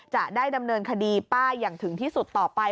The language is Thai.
จะได้ดำเนินคดีป้าอย่างถึงที่สุดต่อไป